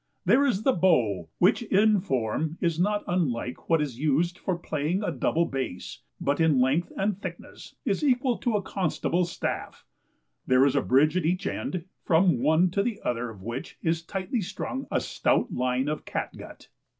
There is the BOW, which in form is not unlike what is used for playing on a double bass, but in length and thickness is equal to a constable's staff; there is a bridge at each end, from one to the other of which is tightly strung a stout line of catgut.